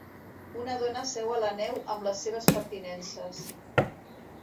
Una dona seu a la neu amb les seves pertinences.